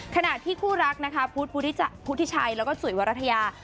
ขณะที่คู่รักนะคะพุทธิชัยแล้วก็จุ๋ยวรัฐยา